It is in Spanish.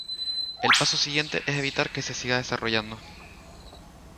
El paso siguiente es evitar que se siga desarrollando.